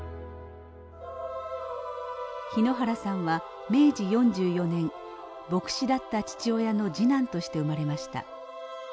日野原さんは明治４４年牧師だった父親の次男として生まれました。